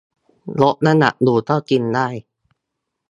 ลดน้ำหนักอยู่ก็กินได้